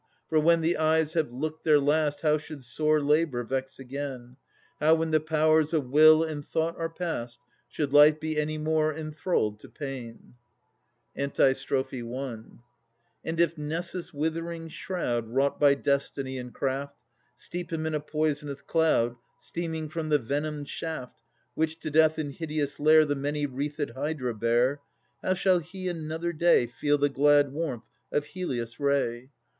For when the eyes have looked their last How should sore labour vex again? How, when the powers of will and thought are past, Should life be any more enthralled to pain? And if Nessus' withering shroud, I 2 Wrought by destiny and craft, Steep him in a poisonous cloud. Steaming from the venomed shaft, Which to Death in hideous lair The many wreathed Hydra bare, How shall he another day Feel the glad warmth of Helios' ray?